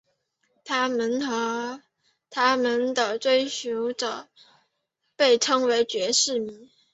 他们和他们的追随者被称为爵士迷。